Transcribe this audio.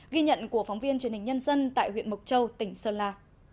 ghi nhận của phóng viên truyền hình nhân dân tại huyện mộc châu tỉnh sơn la